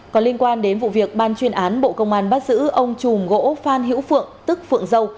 còn liên quan đến vụ việc ban chuyên án bộ công an bắt giữ ông chùm gỗ phan hữu phượng tức phượng dâu